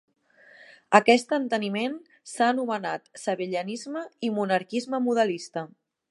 Aquest enteniment s'ha anomenat Sabellianisme i monarquisme modalista.